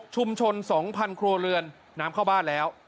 ๒๐๐ครัวเรือนน้ำเข้าบ้านแล้ว